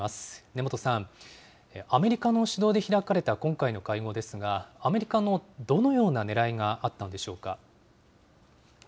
根本さん、アメリカの主導で開かれた今回の会合ですが、アメリカのどのようなねらいがあったんでしょうか。